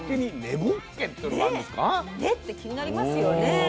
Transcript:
根って気になりますよね。